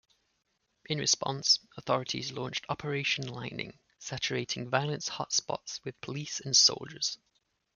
In response, authorities launched Operation Lightning, saturating violence hotspots with police and soldiers.